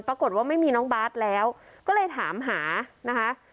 ปรากฏว่าไม่มีน้องบาทแล้วก็เลยถามหานะคะ